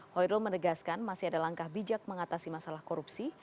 hoirul menegaskan masih ada langkah bijak mengatasi masalah korupsi